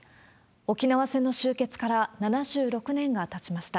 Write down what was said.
沖縄戦の終結から７６年がたちました。